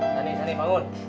sani sani bangun